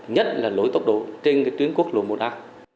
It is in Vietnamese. nhất là lối tốc độ trên tuyến quốc lộ một a